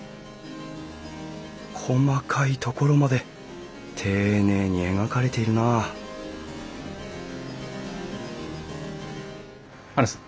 細かいところまで丁寧に描かれているなハルさん。